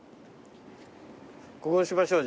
ここにしましょう。